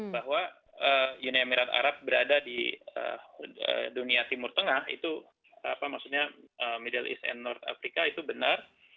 bahwa uni emirat arab berada di dunia timur tengah itu apa maksudnya middle east and north africa itu benar